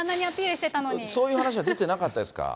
そういう話は出てなかったですか？